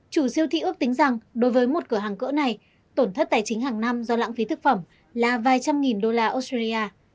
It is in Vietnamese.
chủ siêu thị ước tính rằng đối với một cửa hàng cỡ này tổn thất tài chính hàng năm do lãng phí thực phẩm là vài trăm nghìn đô la australia